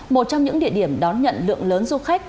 một trong những địa điểm đón nhận lượng lớn du khách